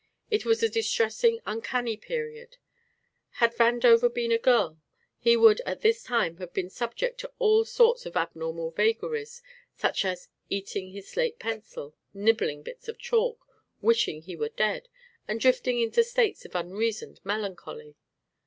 It was a distressing, uncanny period. Had Vandover been a girl he would at this time have been subject to all sorts of abnormal vagaries, such as eating his slate pencil, nibbling bits of chalk, wishing he were dead, and drifting into states of unreasoned melancholy.